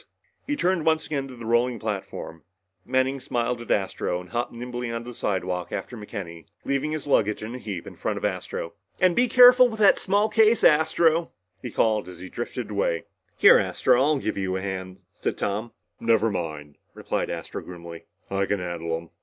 He turned once again to the rolling platform. Manning smiled at Astro and hopped nimbly onto the slidewalk after McKenny, leaving his luggage in a heap in front of Astro. "And be careful with that small case, Astro," he called as he drifted away. "Here, Astro," said Tom. "I'll give you a hand." "Never mind," replied Astro grimly. "I can carry 'em."